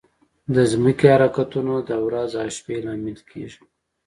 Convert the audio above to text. د ځمکې حرکتونه د ورځ او شپه لامل کېږي.